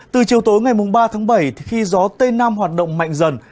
từ chiều tối ngày ba tháng bảy khi gió tây nam hoạt động mạnh dần